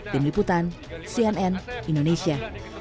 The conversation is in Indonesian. tim liputan cnn indonesia